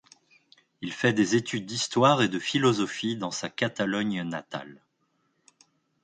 Il fait des études d’histoire et de philosophie dans sa Catalogne natale.